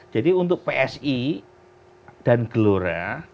jadi untuk psi dan gelora